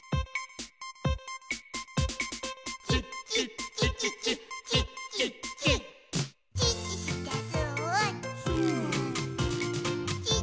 「チッチッチッチッチッチッチッチッ」「チッチしてスー」ス